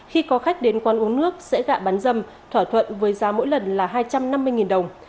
khi có khách đến quán uống nước sẽ gạ bán dâm thỏa thuận với giá mỗi lần là hai trăm năm mươi đồng